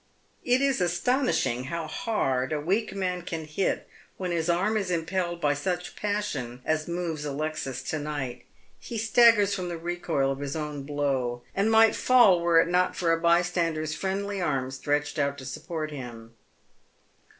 It is astonishing how hard a weak man can hit when his arm is im pelled by such passion as moves Alexis to night. He staggers from the recoil of his own blow, and might fall were it not for a bystander's friendly arm stretched out to support him.